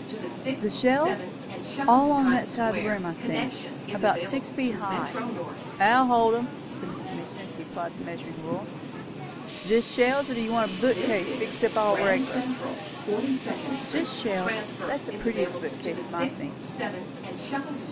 "The shelves? All along that side of the room, I think. And about six feet high." "That'll hold 'em," said Mr. Midgin, as he applied his measuring rule. "Jest shelves? or do you want a bookcase fixed up all reg'lar?" "Just shelves. That is the prettiest bookcase, to my thinking."